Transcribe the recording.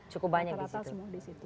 cukup banyak di situ